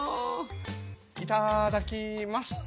いただきます。